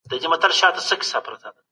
پخوانيو واکمنانو ولي ټولني ته پام کاوه؟